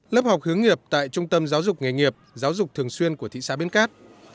lớp học hướng nghiệp tại trung tâm giáo dục nghề nghiệp giáo dục thường xuyên của thị xã bến cát